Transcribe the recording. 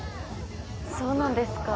そうなんですか。